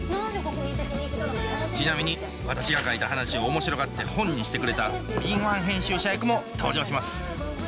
ちなみに私が書いた話を面白がって本にしてくれた敏腕編集者役も登場します